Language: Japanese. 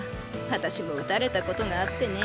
あたしも打たれたことがあってね。